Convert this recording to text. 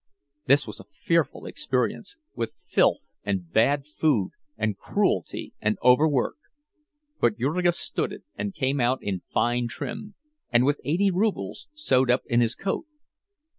This was a fearful experience, with filth and bad food and cruelty and overwork; but Jurgis stood it and came out in fine trim, and with eighty rubles sewed up in his coat.